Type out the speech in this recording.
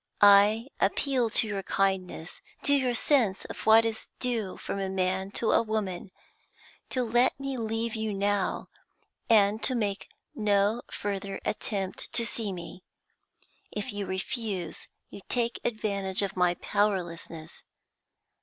I appeal to your kindness, to your sense of what is due from a man to a woman, to let me leave you now, and to make no further attempt to see me. If you refuse, you take advantage of my powerlessness.